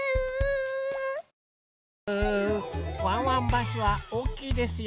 ワンワンバスはおおきいですよ。